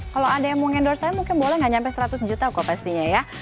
kalau ada yang mau endorse saya mungkin boleh nggak sampai seratus juta kok pastinya ya